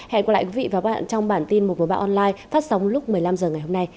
hẹn gặp lại quý vị và các bạn trong bản tin một trăm một mươi ba online phát sóng lúc một mươi năm h ngày hôm nay